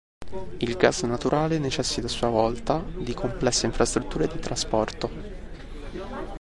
Il gas naturale necessita a sua volta di complesse infrastrutture di trasporto.